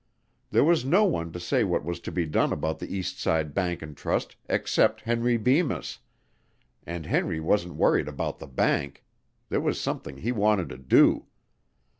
There was no one to say what was to be done about the Eastside Bank & Trust except Henry Bemis, and Henry wasn't worried about the bank, there was something he wanted to do.